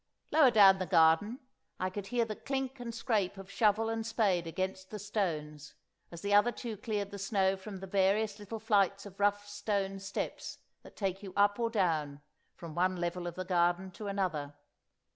Lower down the garden I could hear the clink and scrape of shovel and spade against the stones, as the other two cleared the snow from the various little flights of rough stone steps that take you up or down, from one level of the garden to another.